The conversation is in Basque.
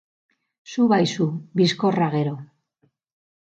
Zu bai zu, bizkorra gero.